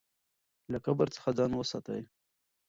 له کبر څخه ځان وساتئ.